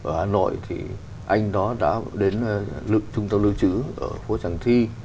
ở hà nội thì anh đó đã đến lực trung tâm lưu trữ ở phố tràng thi